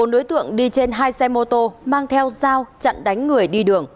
bốn đối tượng đi trên hai xe mô tô mang theo dao chặn đánh người đi đường